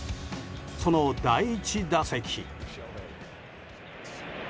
その第１打席。